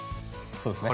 そうですね。